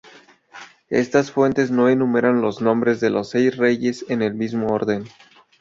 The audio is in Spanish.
Estas fuentes no enumeran los nombres de los seis reyes en el mismo orden.